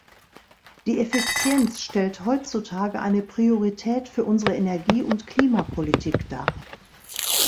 Die Effizienz stellt heutzutage eine Priorität für unsere Energie- und Klimapolitik dar.